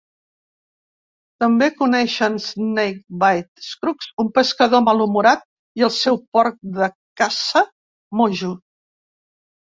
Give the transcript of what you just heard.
També coneixen Snakebite Scruggs, un pescador malhumorat, i el seu porc de caça, Mojo.